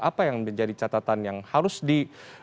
apa yang menjadi catatan yang harus di